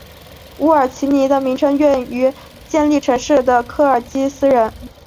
乌尔齐尼的名称源于建立城市的科尔基斯人。